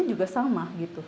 itu juga sama gitu